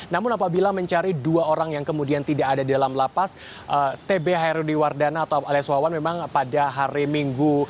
namun apabila mencari dua orang yang kemudian tidak ada di dalam lapas tb herudiwardana atau alias wawan memang pada hari minggu